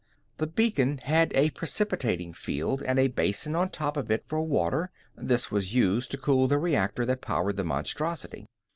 The beacon had a precipitating field and a basin on top of it for water; this was used to cool the reactor that powered the monstrosity.